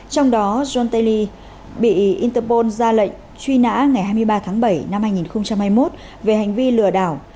trong đó johnterly bị interpol ra lệnh truy nã ngày hai mươi ba tháng bảy năm hai nghìn hai mươi một về hành vi lừa đảo